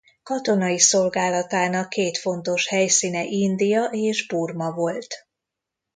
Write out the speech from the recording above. Katonai szolgálatának két fontos helyszíne India és Burma volt.